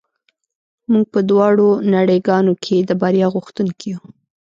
موږ په دواړو نړۍ ګانو کې د بریا غوښتونکي یو